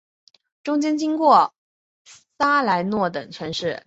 中间经过萨莱诺等城市。